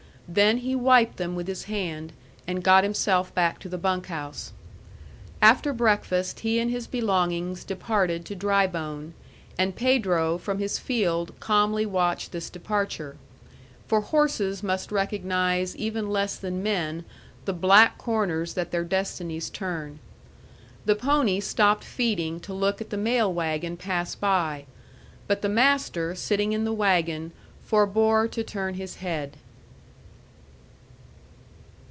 Then he wiped them with his hand, and got himself back to the bunk house. After breakfast he and his belongings departed to Drybone, and Pedro from his field calmly watched this departure; for horses must recognize even less than men the black corners that their destinies turn. The pony stopped feeding to look at the mail wagon pass by; but the master sitting in the wagon forebore to turn his head.